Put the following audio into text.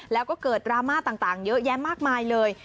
แล้วก็เกิดดราม่าต่างเยอะแยะมากมายเลย